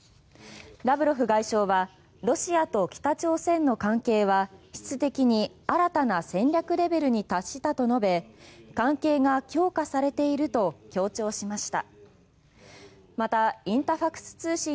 ラブロフ外相はロシアと北朝鮮の関係は質的に新たな戦略レベルに達したと述べ関係が強化されていると強調しました。